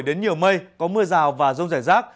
đến nhiều mây có mưa rào và rông rải rác